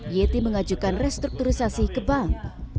yeti mengajukan restrukturisasi ke bank